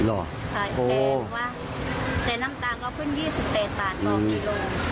หรอโอ้โฮแพงว่ะแต่น้ำตาลก็ขึ้น๒๘บาทต่อกิโล